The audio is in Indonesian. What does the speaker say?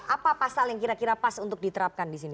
apa pasal yang kira kira pas untuk diterapkan di sini